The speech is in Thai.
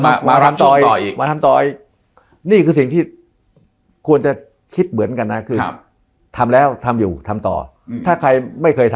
นะถ้ามันเป้นเซ็จก็ใกล้เสร็จ